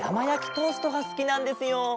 やきトーストがすきなんですよ。